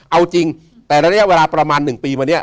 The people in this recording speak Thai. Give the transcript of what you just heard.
เอาจริงแต่ระยะเวลาประมาณ๑ปีมาเนี่ย